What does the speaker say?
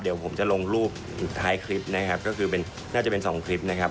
เดี๋ยวผมจะลงรูปท้ายคลิปนะครับก็คือเป็นน่าจะเป็นสองคลิปนะครับ